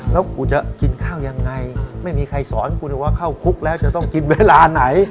แล้วกูจะกินข้าวยังไงไม่มีใครสอนคุณว่าเข้าคุกแล้วจะต้องกินเวลาไหน